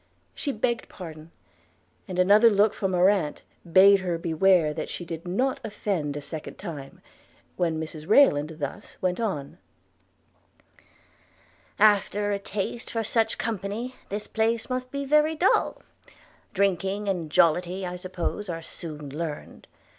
She begged pardon; and another look from her aunt bade her beware that she did not offend a second time – when Mrs Rayland thus went on: 'After a taste for such company, this place must be very dull: drinking and jollity, I suppose, are soon learned.